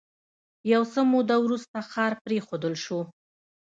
یو څه موده وروسته ښار پرېښودل شو.